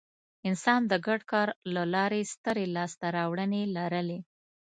انسان د ګډ کار له لارې سترې لاستهراوړنې لرلې.